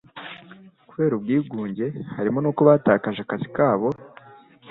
kubera ubwigunge. Harimo n'uko batakaje akazi kabo